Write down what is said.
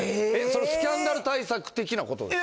それ、スキャンダル対策的なこと？